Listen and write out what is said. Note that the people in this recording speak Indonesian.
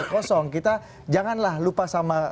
kosong kita janganlah lupa sama